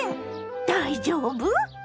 大丈夫？